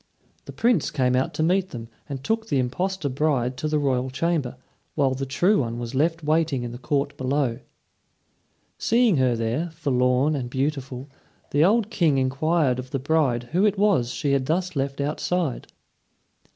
The Prince came out to meet them, and took the impostor bride to the royal chamber, while the true one was left waiting in the court below. Seeing her there, forlorn and beautiful, the old King inquired of the bride who it was she had thus left outside.